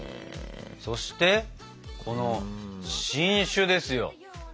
そしてこの新種ですよ。